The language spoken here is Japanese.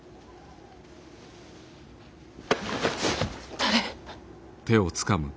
誰。